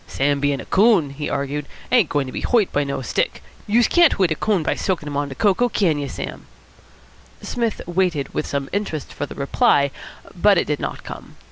"Sam bein' a coon," he argued, "ain't goin' to git hoit by no stick. Youse can't hoit a coon by soakin' him on de coco, can you, Sam?" Psmith waited with some interest for the reply, but it did not come.